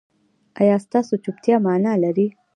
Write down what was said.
ایا ستاسو چوپتیا معنی لري؟